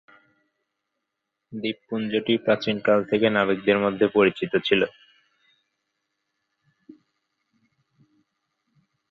দ্বীপপুঞ্জটি প্রাচীন কাল থেকে নাবিকদের মধ্যে পরিচিত ছিল।